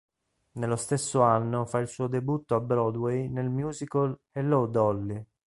Nello stesso anno fa il suo debutto a Broadway nel musical "Hello, Dolly!